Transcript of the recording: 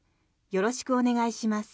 よろしくお願いします。